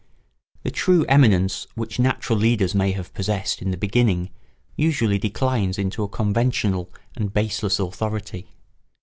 The true eminence which natural leaders may have possessed in the beginning usually declines into a conventional and baseless authority.